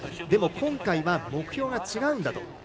でも、今回は目標が違うんだと。